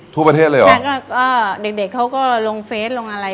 ทั่วประเทศเลยเหรอเด็กเขาก็ลงเฟสลงอาหาร